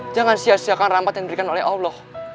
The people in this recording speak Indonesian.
jangan sia siakan rahmat yang diberikan oleh allah